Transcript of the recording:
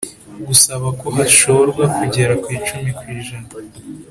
gusaba ko hashorwa kugera ku icumi ku ijana